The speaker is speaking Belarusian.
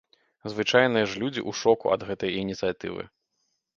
Звычайныя ж людзі ў шоку ад гэтай ініцыятывы.